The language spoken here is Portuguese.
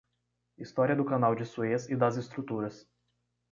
História do Canal de Suez e das estruturas